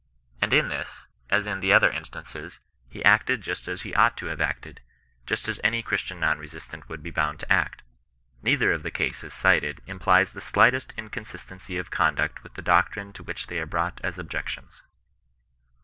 And in this, as in the other instances, he acted just as he ought to have acted — just as any Christian non resistant would be bound to act. Keither of the cases cited im plies the slightest inconsistency of conduct with the doctrine to which they are brought as objections.